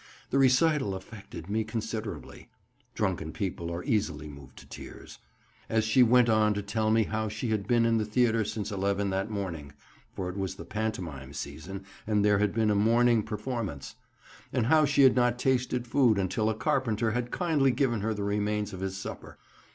The recital affected me considerably (drunken people are easily moved to tears), as she went on to tell me how she had been in the theatre since 11 that morning (for it was the pantomime season, and there had been a morning performance), and how she had not tasted food until a carpenter had kindly given her the remains of his supper.